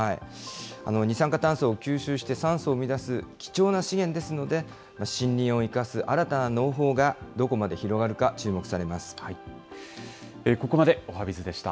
二酸化炭素を吸収して、酸素を生み出す貴重な資源ですので、森林を生かす新たな農法がどこまで広がるか、注目されます。